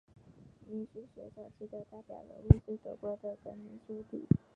民俗学早期的代表人物是德国的格林兄弟。